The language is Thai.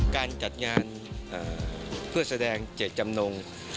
การจัดงานเพื่อแสดงเจตจำนง